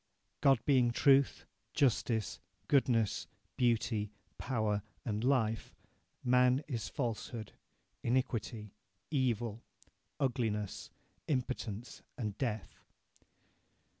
God being truth, justice, goodness, beauty, power, and life, man is falsehood, iniquity, evil, ugliness, impotence, and death.